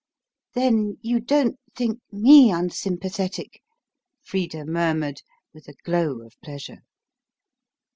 "Then you don't think ME unsympathetic?" Frida murmured, with a glow of pleasure.